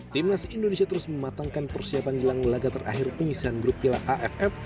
timnas indonesia terus mematangkan persiapan jelang laga terakhir pengisian grup piala aff